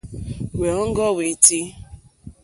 Hwèɔ́ŋɡɔ́ hwétí.